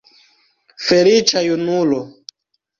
Feliĉa junulo!